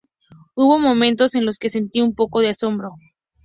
Hubo momentos en los que sentí un poco de asombro.